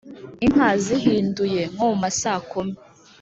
inka zihinduye (nko mu masaa kumi)